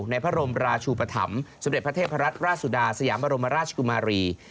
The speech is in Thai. ในพระบรมราชูปธรรมสมเด็จพระเทพรัตนราชสุดาสยามบรมราชกุมารี